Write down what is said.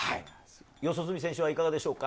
四十住選手はいかがでしょうか。